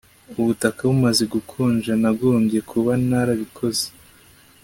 Ubutaka bumaze gukonja nagombye kuba narabikoze